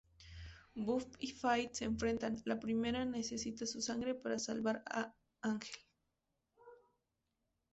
Buffy y Faith se enfrentan: la primera necesita su sangre para salvar a Ángel.